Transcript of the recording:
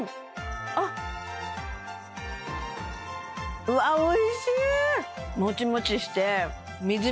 あっうわおいしいうわ